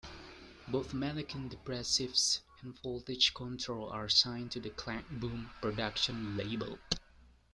Both Mannequin Depressives and Voltage Control are signed to the Klankboom Productions label.